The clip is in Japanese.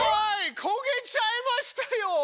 こげちゃいましたよ！